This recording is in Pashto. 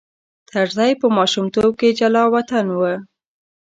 طرزی په ماشومتوب کې جلاوطن و.